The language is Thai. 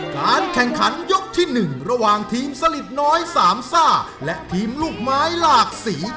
การแข่งขันยกที่๑ระหว่างทีมสลิดน้อยสามซ่าและทีมลูกไม้หลากสี